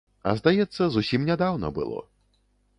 А, здаецца, зусім нядаўна было.